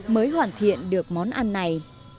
mới hoàn thiện được món ăn này